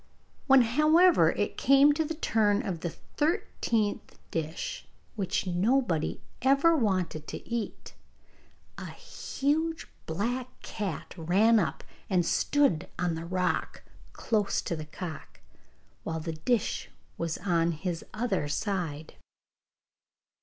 When, however, it came to the turn of the thirteenth dish, which nobody ever wanted to eat, a huge black cat ran up, and stood on the rock close to the cock, while the dish was on his other side.